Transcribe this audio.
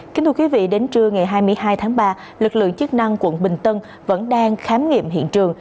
kính thưa quý vị đến trưa ngày hai mươi hai tháng ba lực lượng chức năng quận bình tân vẫn đang khám nghiệm hiện trường